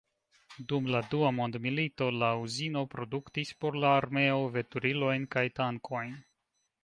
Dum la Dua mondmilito la uzino produktis por la armeo veturilojn kaj tankojn.